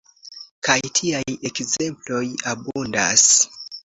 Kaj tiaj ekzemploj abundas.